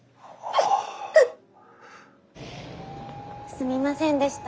すみませんでした。